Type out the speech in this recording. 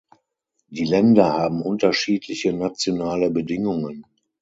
Die Länder haben unterschiedliche nationale Bedingungen.